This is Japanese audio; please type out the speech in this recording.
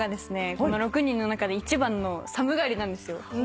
６人の中で一番の寒がりなんですよ。